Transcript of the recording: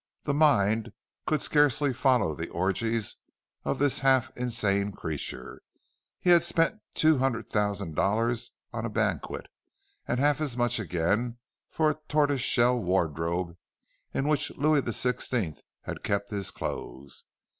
The mind could scarcely follow the orgies of this half insane creature—he had spent two hundred thousand dollars on a banquet, and half as much again for a tortoise shell wardrobe in which Louis the Sixteenth had kept his clothes!